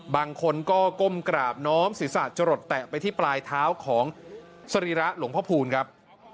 บางคนก็ก้มกราบน้อมศีรษะจะหลดแตะไปที่ปลายเท้าของสรีระหลวงพระภูมิครับ